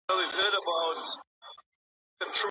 بې باوري د اړيکو د خرابيدو لامل کيږي.